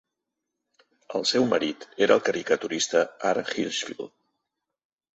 El seu marit era el caricaturista Al Hirschfeld.